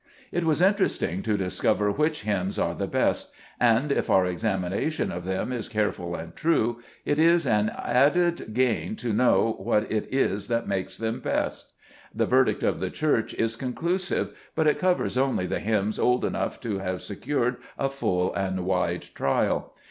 Zbe JSest Cburcb ttvmne. It was interesting to discover which hymns are the best ; and, if our examination of them is careful and true, it is an added gain to know what it is that makes them best. The verdict of the Church is conclusive, but it covers only the hymns old enough to have secured a full and wide trial.